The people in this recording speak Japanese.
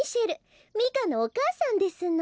ミカのおかあさんですの。